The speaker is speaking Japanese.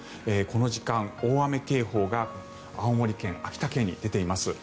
この時間、大雨警報が青森県、秋田県に出ています。